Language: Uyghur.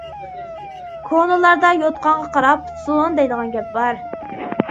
كونىلاردا« يوتقانغا قاراپ پۇت سۇن» دەيدىغان گەپ بار.